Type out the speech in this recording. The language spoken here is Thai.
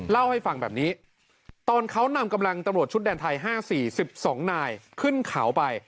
เล่าให้ฟังแบบนี้ตอนเขานำกำลังตำรวจชุดแดนไทย๕๔๑๒นายขึ้นเขาไป